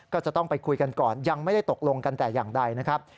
ก็จะต้องไปคุยกันก่อนยังไม่ได้ตกลงกันแต่อย่างใดนะครับ